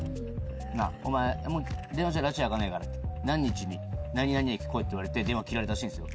「お前電話じゃらち明かないから何日に何々駅来い」って言われて電話切られたらしいんですよ。